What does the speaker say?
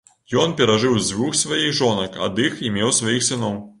Ён перажыў дзвюх сваіх жонак, ад іх і меў сваіх сыноў.